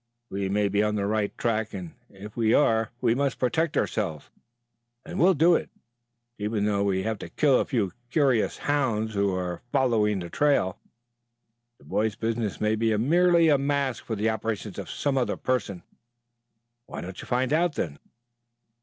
We may be on the right track, and if we are we must protect ourselves, and we'll do it, even though we have to kill a few curious hounds who are following the trail. The boy business may be merely a mask for the operations of some other persons." "Why don't you find out, then?"